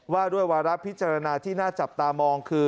ว่าด้วยวาระพิจารณาที่น่าจับตามองคือ